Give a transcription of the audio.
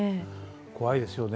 怖いですよね。